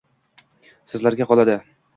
Sizlarga qoladi